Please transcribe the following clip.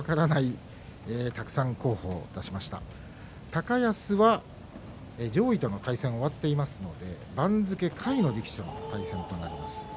高安は上位との対戦が終わっていますので番付下位の力士との対戦となります。